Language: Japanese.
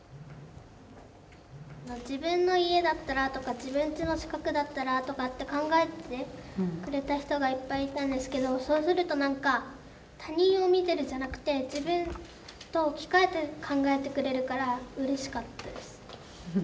自分の家だったらとか自分ちの近くだったらとかって考えてくれた人がいっぱいいたんですけどそうするとなんか他人を見てるんじゃなくて自分と置き換えて考えてくれるからうれしかったです。